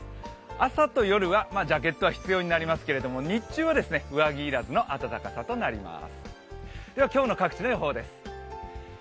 朝と夜はジャケットが必要になりますけれども、日中は上着要らずの暖かさとなります。